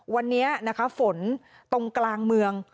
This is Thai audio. วันนี้นะคะฝนตรงกลางเมือง